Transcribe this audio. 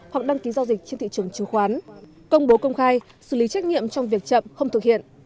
hoặc đăng ký giao dịch trên thị trường chứng khoán công bố công khai xử lý trách nhiệm trong việc chậm không thực hiện